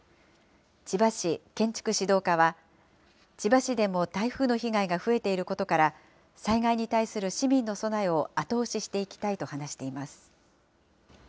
千葉市建築指導課は、千葉市でも台風の被害が増えていることから、災害に対する市民の備えを後押ししていきたいと話しています。